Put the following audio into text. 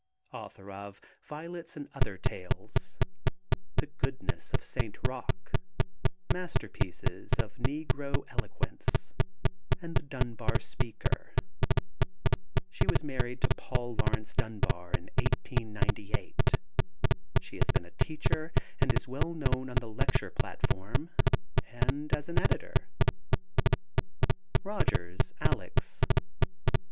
Author of Violets and Other Tales, The Goodness of St. Rocque, Masterpieces of Negro Eloquence, and The Dunbar Speaker. She was married to Paul Laurence Dunbar in 1898. She has been a teacher and is well known on the lecture platform and as an editor. ROGERS, ALEX.